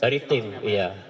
dari tim ya